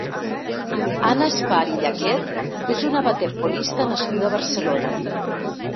Anna Espar i Llaquet és una waterpolista nascuda a Barcelona.